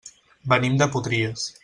Venim de Potries.